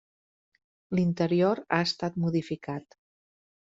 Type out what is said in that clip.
L'interior ha estat modificat.